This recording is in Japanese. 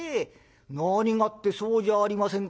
何がってそうじゃありませんか。